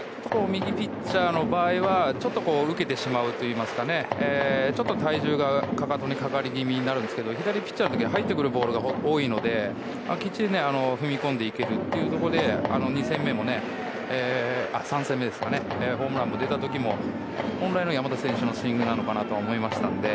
右ピッチャーの場合はちょっと受けてしまうといいますかちょっと体重が、かかとにかかり気味になるんですが左ピッチャーの時は入ってくるボールが多いのできっちり踏み込んでいけるっていうところで３戦目にホームランが出た時も本来の山田選手のスイングなのかなと思いましたので。